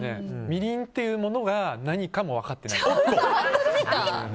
みりんっていうものが何かも分かってない。